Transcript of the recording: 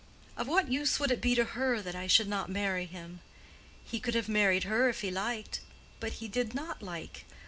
"Of what use would it be to her that I should not marry him? He could have married her if he liked; but he did not like.